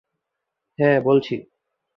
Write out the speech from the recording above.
হ্যাঁ, বলছি।